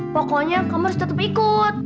pokoknya kamu harus tetap ikut